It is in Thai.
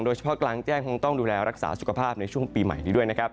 กลางแจ้งคงต้องดูแลรักษาสุขภาพในช่วงปีใหม่นี้ด้วยนะครับ